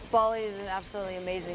bali adalah tempat yang sangat luar biasa